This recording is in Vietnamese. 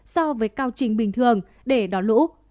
so với cao trình bình thường để đón lũ